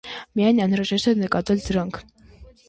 Միայն անհրաժեստ է նկատել դրանք։